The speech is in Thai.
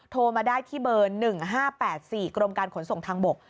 โทรมาได้ที่เบอร์๑๕๘๔กรมการขนส่งทางบก